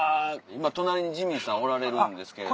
今隣にジミーさんおられるんですけど。